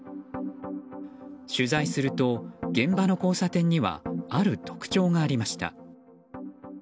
取材すると現場の交差点にはある特徴がありました。